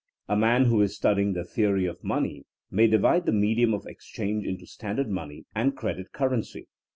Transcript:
A man who is studying the theory of money may divide the medium of exchange into standard money and credit currency.